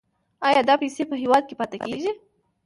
آیا دا پیسې په هیواد کې پاتې کیږي؟